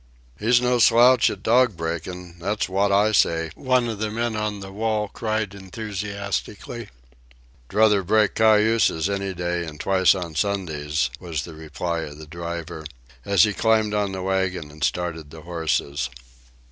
"He's no slouch at dog breakin', that's wot I say," one of the men on the wall cried enthusiastically. "Druther break cayuses any day, and twice on Sundays," was the reply of the driver, as he climbed on the wagon and started the horses.